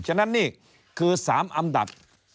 ฉะนั้นนี่คือ๓อันดับ